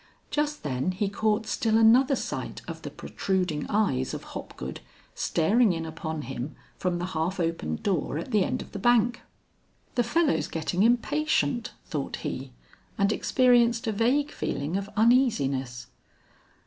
Just then he caught still another sight of the protruding eyes of Hopgood staring in upon him from the half opened door at the end of the bank. "The fellow's getting impatient," thought he, and experienced a vague feeling of uneasiness.